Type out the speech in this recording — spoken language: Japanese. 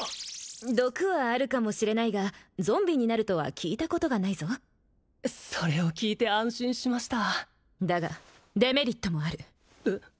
毒はあるかもしれないがゾンビになるとは聞いたことがないぞそれを聞いて安心しましただがデメリットもあるえっ？